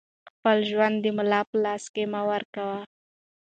خپل ژوند د ملا په لاس کې مه ورکوه